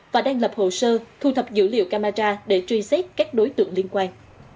và đang lập hồ sơ thu thập dữ liệu camera để truy xét các đối tượng liên quan